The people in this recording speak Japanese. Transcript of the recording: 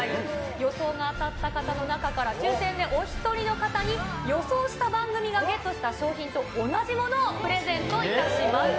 予想が当たった方の中から抽せんでお１人の方に、予想した番組がゲットした賞品と同じものをプレゼントいたします。